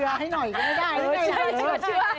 เชื่อให้หน่อย้ายังไม่ได้